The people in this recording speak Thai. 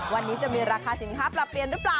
วันนี้จะมีราคาสินค้าปรับเปลี่ยนหรือเปล่า